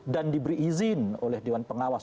dan diberi izin oleh dewan pengawas